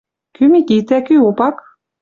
Кӱ Микитӓ, кӱ Опак?